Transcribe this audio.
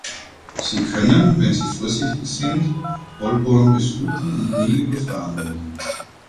Sie können, wenn Sie vorsichtig sind, Holborn besuchen und nie überfahren werden.